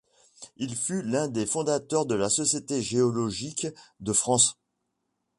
Il fut l'un des fondateurs de la Société géologique de France.